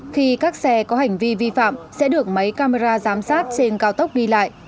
khi các xe có hành vi vi phạm sẽ được máy camera giám sát trên cao tốc đi lại